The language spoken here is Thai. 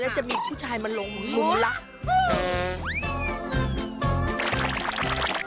แล้วจะมีผู้ชายลงรุงลักษณ์